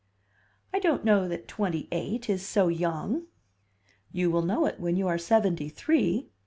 "I don't know that twenty eight is so young." "You will know it when you are seventy three."